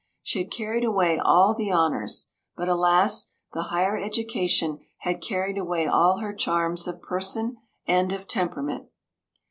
She had carried away all the honours but, alas, the higher education had carried away all her charms of person and of temperament.